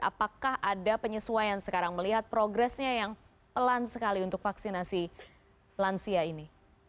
apakah ada penyesuaian sekarang melihat progresnya yang pelan sekali untuk vaksinasi lansia ini